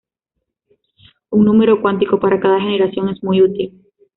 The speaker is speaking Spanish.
Un número cuántico para cada generación es muy útil.